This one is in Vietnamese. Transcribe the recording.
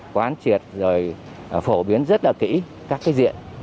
quán triệt rồi phổ biến rất là kỹ các cái diện